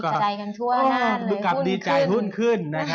ดีใจกันทั่วหน้าเลยหุ้นขึ้น